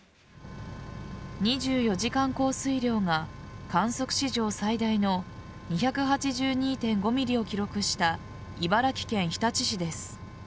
２４時間降水量が観測史上最大の２８２．５ｍｍを記録した茨城県日立市です。